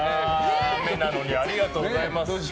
雨なのにありがとうございます。